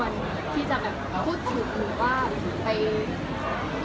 แต่มันค่อนข้างเหมือนภาษาดึงมาถึงเราเลยค่ะ